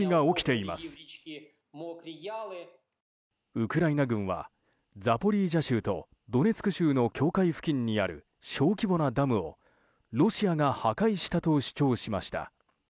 ウクライナ軍はザポリージャ州とドネツク州の境界付近にある小規模なダムをロシアが破壊したと主張しました。